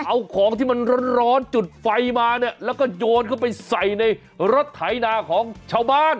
เอาของที่มันร้อนจุดไฟมาเนี่ยแล้วก็โยนเข้าไปใส่ในรถไถนาของชาวบ้าน